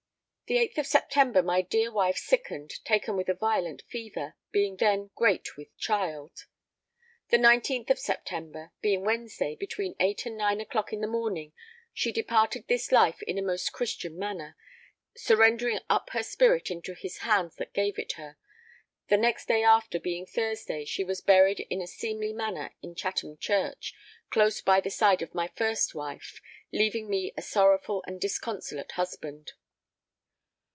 The 8th of September my dear wife sickened, taken with a violent fever, being then great with child. The 19th of September, being Wednesday, between 8 and 9 clock in the morning, she departed this life in a most Christian manner, surrendering up her spirit into His hands that gave it her; the next day after, being Thursday, she was buried in a seemly manner in Chatham Church, close by the side of my first wife, leaving me a sorrowful and disconsolate husband.